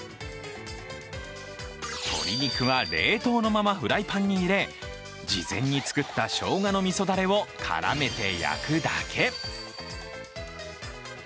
鶏肉は冷凍のままフライパンに入れ、事前に作ったしょうがのみそだれを絡めて焼くだけ。